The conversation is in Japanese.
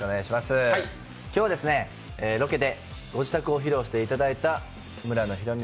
今日、ロケでご自宅を披露していただいた村野弘味